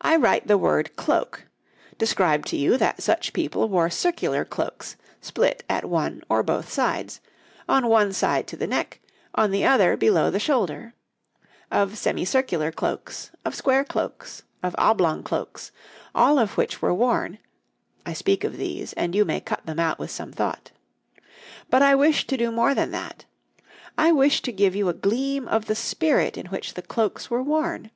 I write the word 'cloak'; describe to you that such people wore circular cloaks split at one or both sides, on one side to the neck, on the other below the shoulder; of semicircular cloaks, of square cloaks, of oblong cloaks, all of which were worn (I speak of these, and you may cut them out with some thought); but I wish to do more than that I wish to give you a gleam of the spirit in which the cloaks were worn.